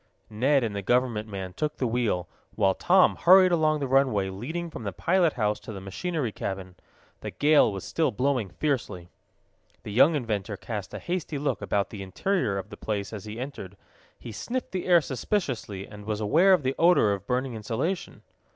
Ned and the government man took the wheel, while Tom hurried along the runway leading from the pilot house to the machinery cabin. The gale was still blowing fiercely. The young inventor cast a hasty look about the interior of the place as he entered. He sniffed the air suspiciously, and was aware of the odor of burning insulation.